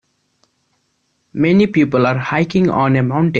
Many people are hiking on a mountain.